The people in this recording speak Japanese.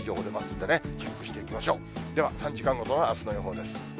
では３時間ごとのあすの予報です。